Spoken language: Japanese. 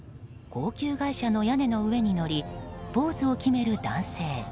高級外車の屋根の上に乗りポーズを決める男性。